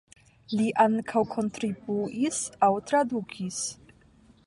Li ankaŭ kontribuis aŭ tradukis.